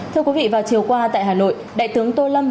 thưa quý vị vào chiều qua tại hà nội đại tướng tô lâm